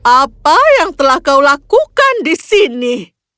apa yang telah kau lakukan di sini